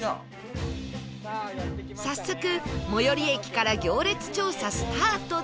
早速最寄り駅から行列調査スタートです